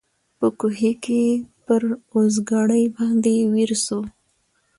په کوهي کي پر اوزګړي باندي ویر سو